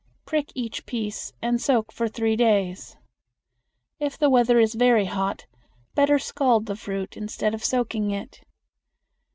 Prick each piece and soak for three days. If the weather is very hot, better scald the fruit instead of soaking it.